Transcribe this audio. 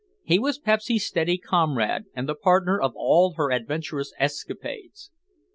He was Pepsy's steady comrade and the partner of all her adventurous escapades.